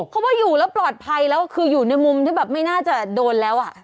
เพราะว่าอยู่แล้วปลอดภัยแล้วคืออยู่ในมุมที่แบบไม่น่าจะโดนแล้วอ่ะ